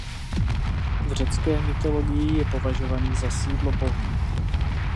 V řecké mytologii je považovaný za sídlo bohů.